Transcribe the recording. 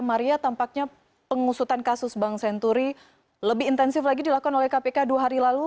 maria tampaknya pengusutan kasus bank senturi lebih intensif lagi dilakukan oleh kpk dua hari lalu